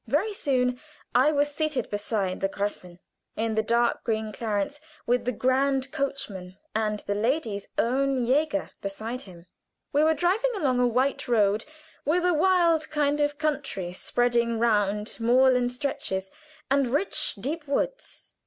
Very soon I was seated beside the Gräfin in the dark green clarence, with the grand coachman and the lady's own jäger beside him, and we were driving along a white road with a wild kind of country spreading round moorland stretches, and rich deep woods.